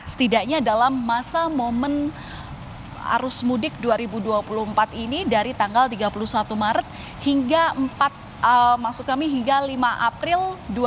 setidaknya dalam masa momen arus mudik dua ribu dua puluh empat ini dari tanggal tiga puluh satu maret hingga empat maksud kami hingga lima april dua ribu dua puluh